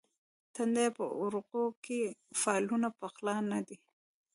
تندیه په اورغوي کې فالونه پخلا نه دي.